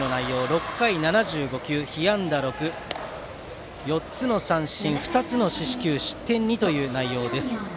６回７５球被安打６、４つの三振２つの四死球失点２という内容です。